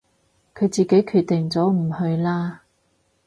佢自己決定咗唔去啦